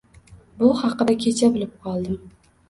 Bu haqida kecha bilib qoldim